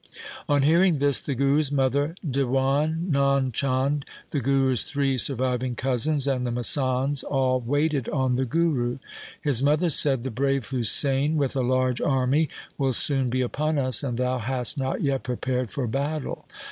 On hearing this the Guru's mother, Diwan Nand Chand, the Guru's three sur viving cousins, and the masands, all waited on the Guru. His mother said, ' The brave Husain with a large army will soon be upon us, and thou hast not yet prepared for battle.